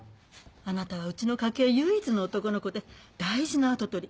あなたはうちの家系唯一の男の子で大事な跡取り。